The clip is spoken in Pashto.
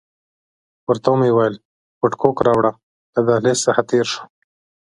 ورته ومې ویل وډکوک راوړه، له دهلیز څخه تېر شوو.